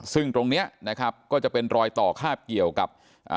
ซึ่งตรงนี้ก็จะเป็นรอยต่อคาดเกี่ยวกับ